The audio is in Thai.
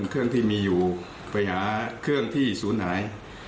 เครื่องที่มีอยู่ไปหาเครื่องที่ศูนย์หาย